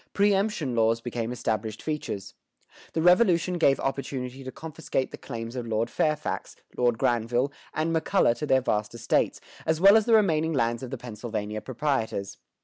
Preëmption laws became established features. The Revolution gave opportunity to confiscate the claims of Lord Fairfax, Lord Granville, and McCulloh to their vast estates, as well as the remaining lands of the Pennsylvania proprietors.